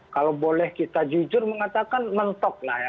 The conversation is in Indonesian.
kalau boleh kita jujur mengatakan mentok lah ya